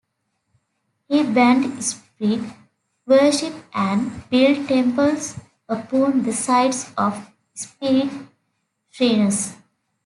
He banned spirit worship and built temples upon the sites of spirit shrines.